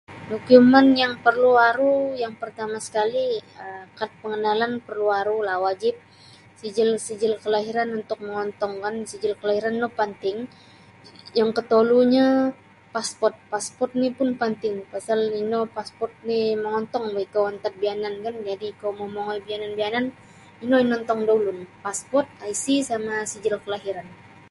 Dokumen yang perlu aru yang pertama sekali um kad pengenalan porlu arulah wajip sijil-sijil kelahiran untuk mongontongkan sijil kelahiran no panting yang kotolunyo pasport pasport ni pun penting pasal ino pasport ni mongontong boh ikou antad biyanankan ikou mongoi biyanan biyanan ino inontong da ulun pasport pasport IC sama sijil kelahiran.